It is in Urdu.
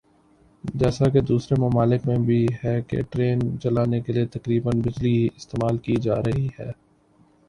جیسا کہ دوسرے ممالک میں بھی ہے کہ ٹرین چلانے کیلئے تقریبا بجلی ہی استعمال کی جارہی ھے